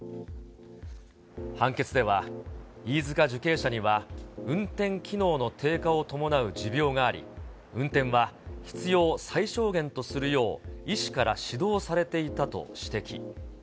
判決では、飯塚受刑者には運転機能の低下を伴う持病があり、運転は必要最小限とするよう医師から指導されていたと指摘。